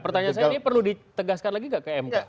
pertanyaan saya ini perlu ditegaskan lagi gak ke mk